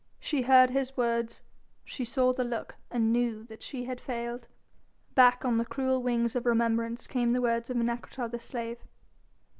She heard his words, she saw the look and knew that she had failed. Back on the cruel wings of remembrance came the words of Menecreta the slave.